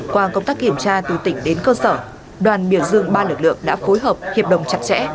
qua công tác kiểm tra từ tỉnh đến cơ sở đoàn miền dương ba lực lượng đã phối hợp hiệp đồng chặt chẽ